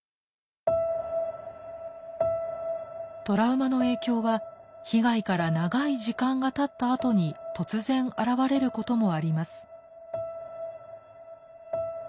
トラウマの影響は被害から長い時間がたったあとに突然現れることもあります。